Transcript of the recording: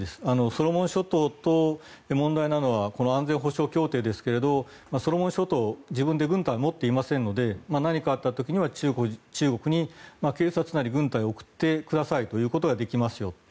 ソロモン諸島とこの安全保障協定ですけどソロモン諸島自分で軍隊を持っていませんので何かあった時には中国に警察なり軍隊を送ってくださいということができますよと。